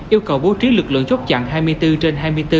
yêu cầu bố trí lực lượng chốt chặn hai mươi bốn trên hai mươi bốn